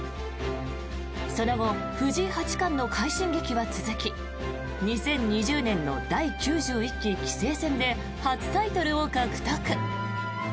その後、藤井八冠の快進撃は続き２０２０年の第９１期棋聖戦で初タイトルを獲得。